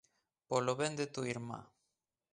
Polo ben de túa irmá.